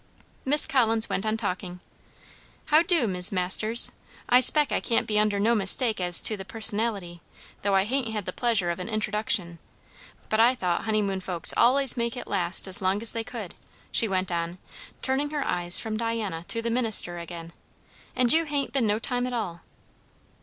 Miss Collins went on talking. "How do, Mis' Masters? I speck I can't be under no mistake as to the personality, though I hain't had the pleasure o' a introduction. But I thought honeymoon folks allays make it last as long as they could?" she went on, turning her eyes from Diana to the minister again; "and you hain't been no time at all."